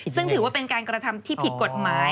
ซึ่งถือว่าเป็นการกระทำที่ผิดกฎหมาย